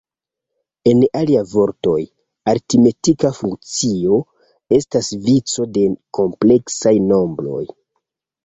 En alia vortoj, aritmetika funkcio estas vico de kompleksaj nombroj.